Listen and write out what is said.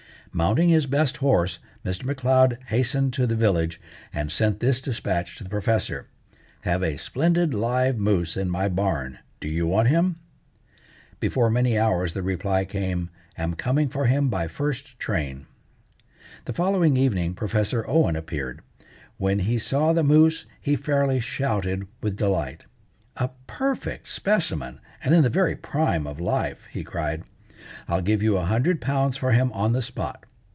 Mounting his best horse, Mr. M'Leod hastened to the village, and sent this despatch to the professor: "Have a splendid live moose in my barn. Do you want him?" Before many hours the reply came: "Am coming for him by first train." The following evening Professor Owen appeared. When he saw the moose he fairly shouted with delight. "A perfect specimen, and in the very prime of life," he cried. "I'll give you a hundred pounds for him on the spot.